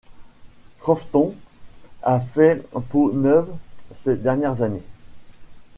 Crofton a fait peau neuve ces dernières années.